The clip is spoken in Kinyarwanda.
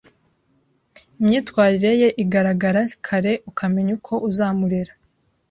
Imyitwarire ye igaragara kare ukamenya uko uzamurera